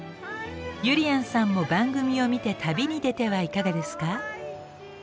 ゆりやんさんも番組を見て旅に出てはいかがですか？